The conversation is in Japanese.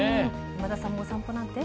今田さんもお散歩なんて？